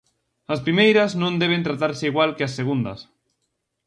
As primeiras non deben tratarse igual que as segundas.